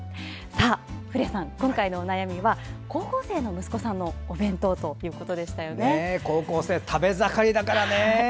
古谷さん、今回のお悩みは高校生の息子さんの高校生、食べ盛りだからね。